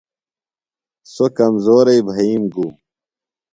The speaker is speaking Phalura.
سوۡ کمزورئی بھئیم گُوم۔